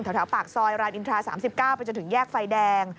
แถวปากซอยรามอินทรา๓๙ไปจนถึงแยกไฟแดง